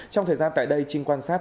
trong thời gian tại đây trinh quan sát